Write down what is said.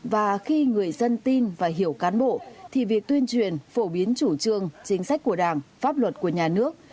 và khi người dân tin và hiểu cán bộ thì việc tuyên truyền phổ biến chủ trương chính sách của đảng pháp luật của nhà nước